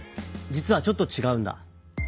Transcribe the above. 実はちょっとちがうんだ。